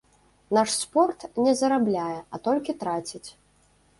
Наш спорт не зарабляе, а толькі траціць.